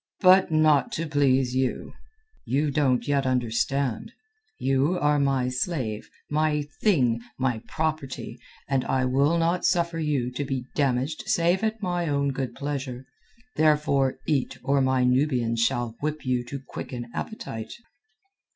"But not to please you. You don't yet understand. You are my slave, my thing, my property, and I will not suffer you to be damaged save at my own good pleasure. Therefore, eat, or my Nubians shall whip you to quicken appetite."